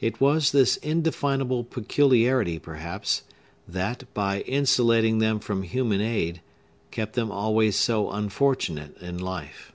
It was this indefinable peculiarity, perhaps, that, by insulating them from human aid, kept them always so unfortunate in life.